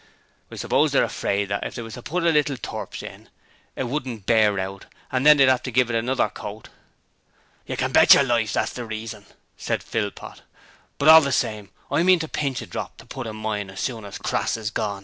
'I suppose they're afraid that if they was to put a little turps in, it wouldn't bear out, and they'd 'ave to give it another coat.' 'You can bet yer life that's the reason,' said Philpot. 'But all the same I mean to pinch a drop to put in mine as soon as Crass is gorn.'